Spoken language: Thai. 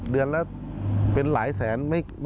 เดือนละเป็นหลายแสน